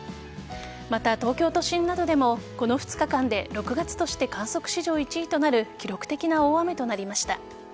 また、東京都心などでもこの２日間で６月として観測史上１位となる記録的な大雨となりました。